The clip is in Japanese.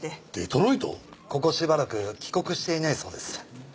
ここしばらく帰国していないそうです。